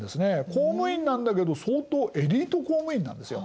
公務員なんだけど相当エリート公務員なんですよ。